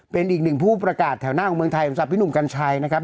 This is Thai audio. เป็นอีกหนึ่งผู้ประกาศแถวหน้าของเมืองไทยสำหรับพี่หนุ่มกัญชัยนะครับ